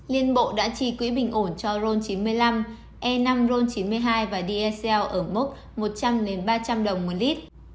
liên bộ đã trì quỹ bình ổn cho ron chín mươi năm e năm ron chín mươi hai và dlc ở mức một trăm linh ba trăm linh đồng một lít